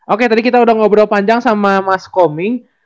oke tadi kita udah ngobrol panjang sama mas komi